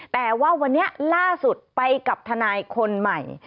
แต่ว่าวันนี้ล่าสุดไปกับทนายคนใหม่